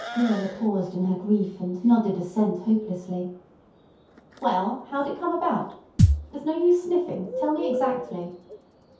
Luella paused in her grief, and nodded assent hopelessly. "Well, how'd it come about? There's no use sniffing. Tell me exactly."